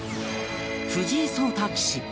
藤井聡太棋士